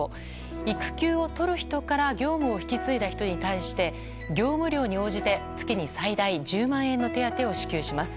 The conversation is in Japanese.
育休を取る人から業務を引き継いだ人に対して業務量に応じて月に最大１０万円の手当を支給します。